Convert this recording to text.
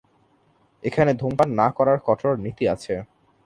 এখানে ধূমপান না করার কঠোর নীতি আছে।